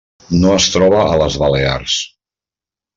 No es troba ales Balears.